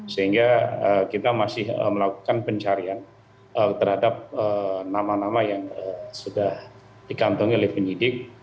sehingga kita masih melakukan pencarian terhadap nama nama yang sudah dikantongi oleh penyidik